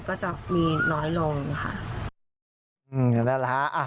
ก็จะมีน้อยลงค่ะ